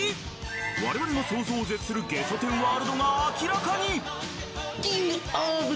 我々の想像を絶するゲソ天ワールドが明らかに！